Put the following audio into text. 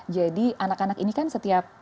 jadi anak anak ini kan setiap